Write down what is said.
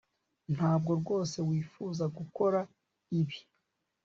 Ntabwo rwose wifuza gukora ibi